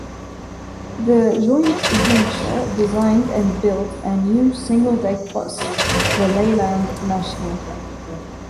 The joint venture designed and built a new single-deck bus, the Leyland National.